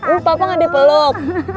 uh papa nggak dipeluk